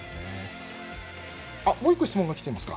もう１個質問が来ています。